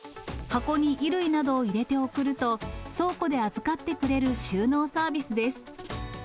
箱に衣類などを入れて送ると、倉庫で預かってくれる収納サービスです。